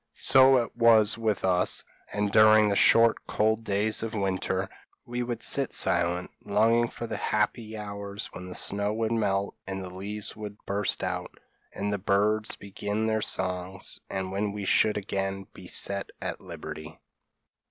So it was with us; and during the short cold days of winter, we would sit silent, longing for the happy hours when the snow would melt and the leaves would burst out, and the birds begin their songs, and when we should again be set at liberty.